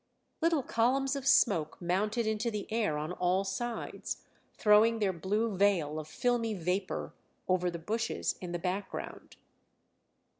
Little columns of smoke mounted into the air on all sides, throwing their blue veil of filmy vapour over the bushes in the background.